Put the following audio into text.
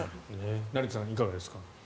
成田さん、いかがですか？